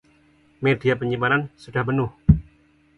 Media penyimpanan sudah penuh.